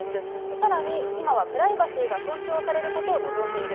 さらに今はプライバシーが尊重されることを望んでいる。